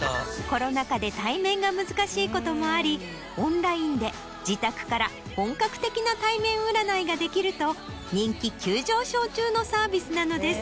コロナ禍で対面が難しいこともありオンラインで自宅から本格的な対面占いができると人気急上昇中のサービスなのです。